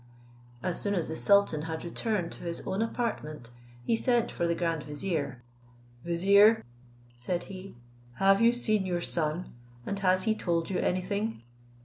As soon as the sultan had returned to his own apartment, he sent for the grand vizier: "Vizier," said he, "have you seen your son, and has he told you anything?"